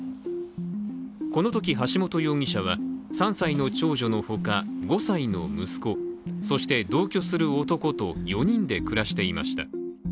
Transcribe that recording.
このとき橋本容疑者は３歳の長女のほか５歳の息子、そして同居する男と４人で暮らしていました。